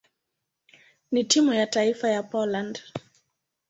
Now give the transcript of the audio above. na timu ya taifa ya Poland.